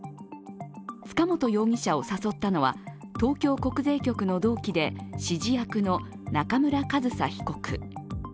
塚本容疑者を誘ったのは東京国税局の同期で指示役の中村上総被告。